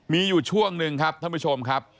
มีอยู่ช่วงหนึ่งครับท่านผู้ชมครับ